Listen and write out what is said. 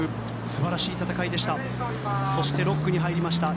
素晴らしい戦いでした。